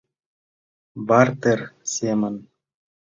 Бартер семын.